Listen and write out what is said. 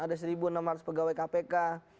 ada satu enam ratus pegawai kpk